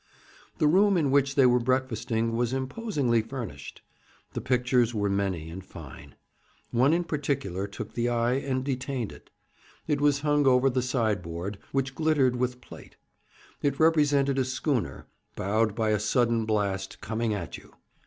The room in which they were breakfasting was imposingly furnished. The pictures were many and fine. One in particular took the eye, and detained it. It was hung over the sideboard, which glittered with plate; it represented a schooner, bowed by a sudden blast, coming at you.